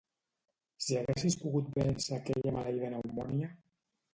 Si haguessis pogut vèncer aquella maleïda pneumònia!